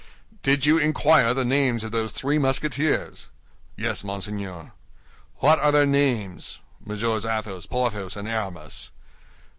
"Did you inquire the names of those three Musketeers?" "Yes, monseigneur." "What are their names?" "Messieurs Athos, Porthos, and Aramis."